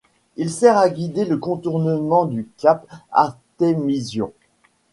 Il sert à guider le contournement du cap Artemision.